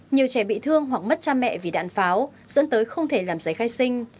nhiều trẻ bị thương hoặc mất cha mẹ vì đạn pháo dẫn tới không thể làm giấy khai sinh